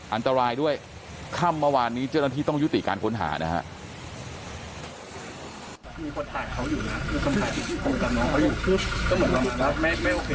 อันตรายด้วยค่ำเมื่อวานนี้เจ้าหน้าที่ต้องยุติการค้นหานะฮะ